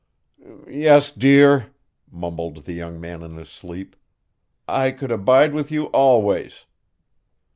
"Yes, dear," mumbled the young man in his sleep, "I could abide with you always."